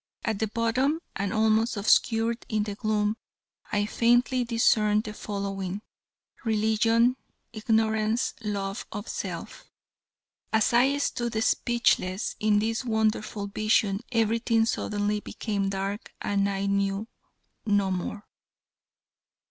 At the bottom, and almost obscured in the gloom, I faintly discerned the following: Religion, Ignorance, Love of Self. As I stood speechless at this wonderful vision everything suddenly became dark and I knew no more.